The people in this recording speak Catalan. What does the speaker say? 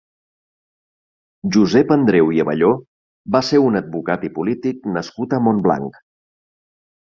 Josep Andreu i Abelló va ser un advocat i polític nascut a Montblanc.